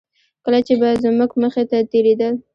کله چې به زموږ مخې ته تېرېدل.